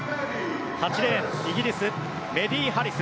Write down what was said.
８レーン、イギリスメディ・ハリス。